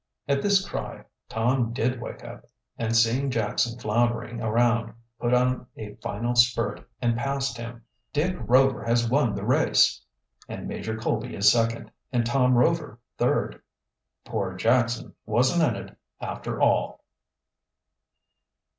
At this cry Tom did wake up, and seeing Jackson floundering around put on a final spurt and passed him. "Dick Rover has won the race!" "And Major Colby is second, and Tom Rover third." "Poor Jackson wasn't in it, after all!"